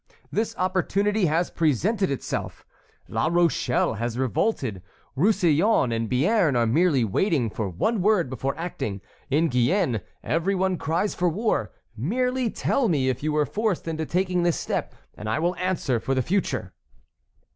this opportunity has presented itself. La Rochelle has revolted, Roussillon and Béarn are merely waiting for one word before acting. In Guyenne every one cries for war. Merely tell me if you were forced into taking this step, and I will answer for the future."